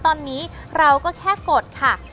ตอนนี้เราก็แค่กดค่ะ